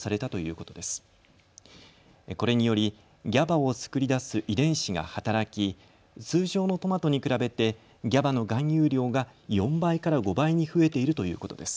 これによりＧＡＢＡを作り出す遺伝子が働き、通常のトマトに比べてＧＡＢＡの含有量が４倍から５倍に増えているということです。